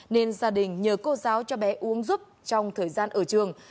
nên gia đình nhờ cô giáo cho bé uống giúp trong thời gian ở trường